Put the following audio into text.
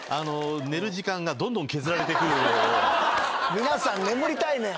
皆さん眠りたいねん。